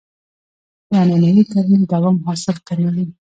د عنعنوي کرنې دوام حاصل کموي.